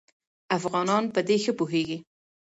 افغانان په دې ښه پوهېږي.